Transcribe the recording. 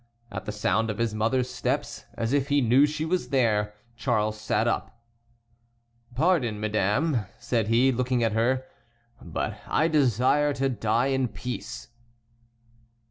At the sound of his mother's steps, as if he knew she was there, Charles sat up. "Pardon, madame," said he, looking at her, "but I desire to die in peace."